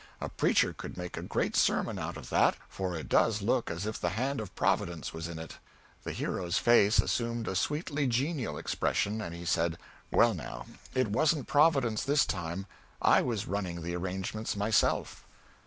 A preacher could make a great sermon out of that, for it does look as if the hand of Providence was in it." The hero's face assumed a sweetly genial expression, and he said, "Well now, it wasn't Providence this time. I was running the arrangements myself."